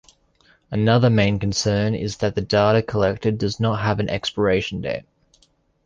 Another main concern is that the data collected does not have an expiration date.